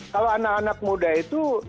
kalau anak anak muda itu